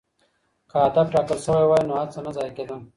که هدف ټاکل سوی وای نو هڅه نه ضایع کېدل.